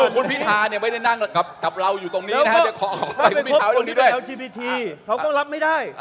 คุณพิธาเนี่ยไม่ได้นั่งกับเราอยู่ตรงนี้นะครับ